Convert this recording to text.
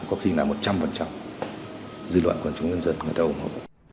có khi là một trăm linh dư luận của chúng dân dân người ta ủng hộ